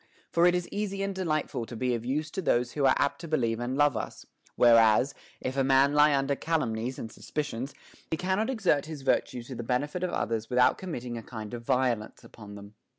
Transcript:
For it is easy and delightful to be of use 308 HOW A MAN MAY PRAISE HIMSELF to those who are apt to believe and love us ; whereas, if a man lie under calumnies and suspicions, he cannot exert his virtue to the benefit of others without committing a kind of violence upon them.